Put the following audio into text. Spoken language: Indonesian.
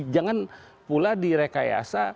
jangan pula direkayasa